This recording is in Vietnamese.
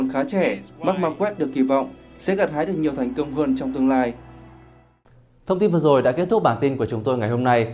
kết thúc bản tin của chúng tôi ngày hôm nay